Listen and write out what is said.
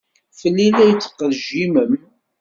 Fell-i i la tettqejjimem?